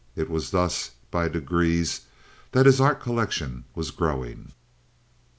It was thus by degrees that his art collection was growing.